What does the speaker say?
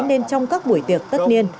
nên trong các buổi tiệc tất niên